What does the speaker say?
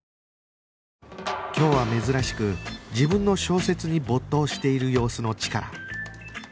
今日は珍しく自分の小説に没頭している様子のチカラ